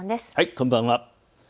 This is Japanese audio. こんばんは。